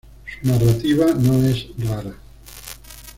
Su narrativa no es rara.